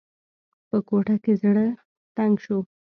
په کوټه کې زړه تنګ شو.